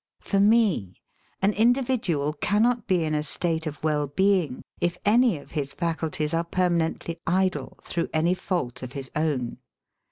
For me, an individual cannot be in a state of well being if any of his faculties are permanently idle through any fault of his own.